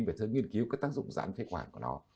bởi thường nghiên cứu cái tác dụng dán phế khoản của nó